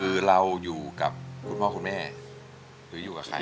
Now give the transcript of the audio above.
คือเราอยู่กับคุณพ่อคุณแม่หรืออยู่กับใคร